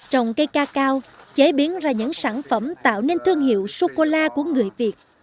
trồng cây cacao chế biến ra những sản phẩm tạo nên thương hiệu sô cô la của người việt